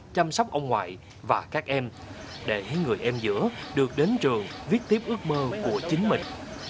chăm sóc ông ngoại và các em để những người em giữa được đến trường viết tiếp ước mơ của chính mình